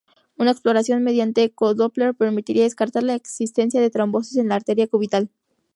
Una exploración mediante eco-Doppler permitiría descartar la existencia de trombosis de la arteria cubital.